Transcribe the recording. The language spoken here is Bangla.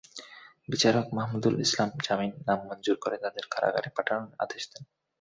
বিচারক মাহমুদুল ইসলাম জামিন নামঞ্জুর করে তাঁদের কারাগারে পাঠানোর আদেশ দেন।